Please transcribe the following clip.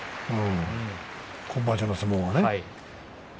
今場所の相撲はね。